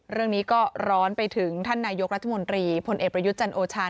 เรื่องนี้ก็ร้อนไปถึงท่านนายกรัฐมนตรีพลเอกประยุทธ์จันโอชา